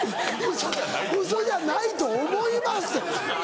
「ウソじゃないと思います」って。